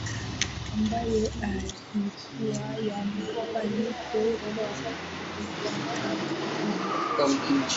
ambayo haikuwa ya mafanikio kwa Watanganyika